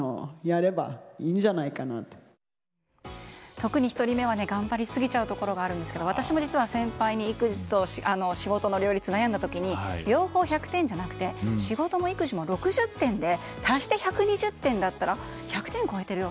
特に１人目は頑張りすぎちゃうところがあるんですが私も実は先輩に育児と仕事の両立を悩んだ時に両方１００点じゃなくて仕事も育児も６０点で足して１２０点だったら１００点超えてるよ